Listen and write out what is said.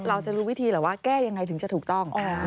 เราจะรู้วิธีเหรอว่าแก้ยังไงถึงจะถูกต้อง